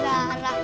ini para baik